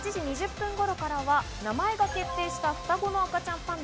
８時２０分頃からは名前が決定した双子の赤ちゃんパンダ。